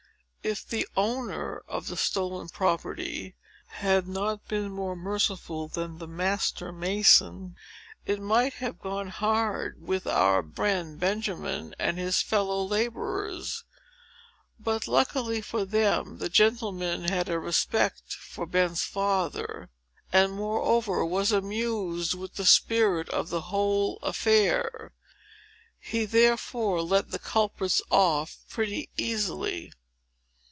If the owner of the stolen property had not been more merciful than the master mason, it might have gone hard with our friend Benjamin and his fellow laborers. But, luckily for them, the gentleman had a respect for Ben's father, and moreover, was amused with the spirit of the whole affair. He therefore let the culprits off pretty easily.